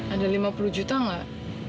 ada lima puluh juta nggak